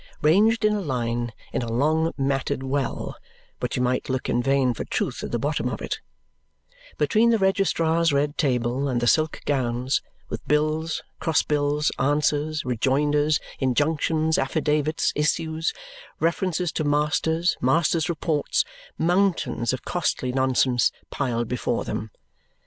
ranged in a line, in a long matted well (but you might look in vain for truth at the bottom of it) between the registrar's red table and the silk gowns, with bills, cross bills, answers, rejoinders, injunctions, affidavits, issues, references to masters, masters' reports, mountains of costly nonsense, piled before them.